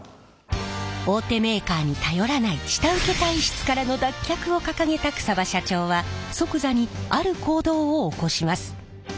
大手メーカーに頼らない下請け体質からの脱却を掲げた草場社長は即座にある行動を起こします。